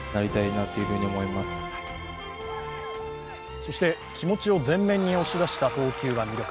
そして気持ちを前面に押し出した投球が魅力